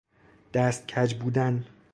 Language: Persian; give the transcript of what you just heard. دست کج بودن